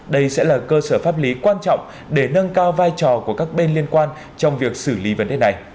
đây sẽ là cơ sở pháp lý quan trọng để nâng cao vai trò của các bên liên quan trong việc xử lý vấn đề này